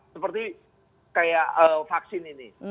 seperti kayak vaksin ini